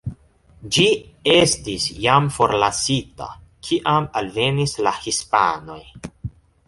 Ĝi estis jam forlasita, kiam alvenis la hispanoj.